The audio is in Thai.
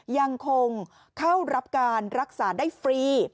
ยังคงเข้ารับการรักษาได้ฟรี